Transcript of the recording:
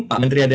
pak menteri ada